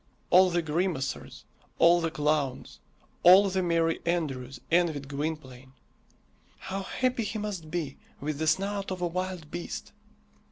All the grimacers, all the clowns, all the merry andrews envied Gwynplaine. How happy he must be with the snout of a wild beast!